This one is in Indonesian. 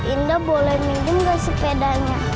indah boleh minjem gak sepedanya